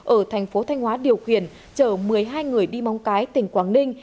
ở thành phố thanh hóa điều khiển chở một mươi hai người đi móng cái tỉnh quảng ninh